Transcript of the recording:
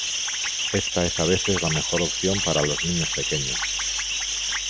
Esta es a veces la mejor opción para los niños pequeños.